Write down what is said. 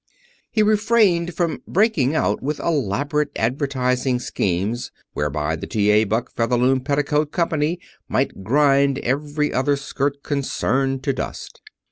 He refrained from breaking out with elaborate advertising schemes whereby the T.A. Buck Featherloom Petticoat Company might grind every other skirt concern to dust.